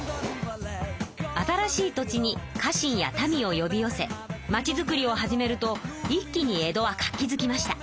新しい土地に家臣やたみをよび寄せ町づくりを始めると一気に江戸は活気づきました。